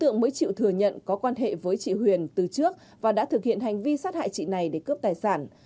nghĩa sát hại chị này để cướp tài sản